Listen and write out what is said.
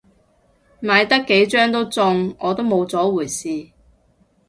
買得幾張都中，我都冇咗回事